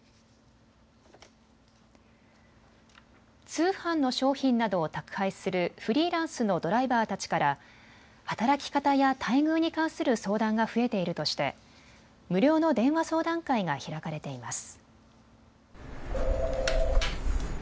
通販の商品などを宅配するフリーランスのドライバーたちから働き方や待遇に関する相談が増えているとして無料の電話相談会が開かれています。